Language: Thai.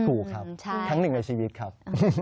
ถูกครับครั้งหนึ่งในชีวิตครับ